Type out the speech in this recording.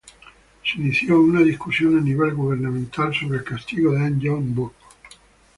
Se inició una discusión a nivel gubernamental sobre el castigo de An Yong-bok.